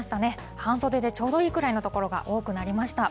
半袖でちょうどいいくらいの所が多くなりました。